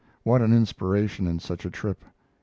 What an inspiration in such a trip!